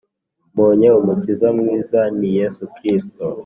Mbonye umukiza mwiza ni yesu kirisito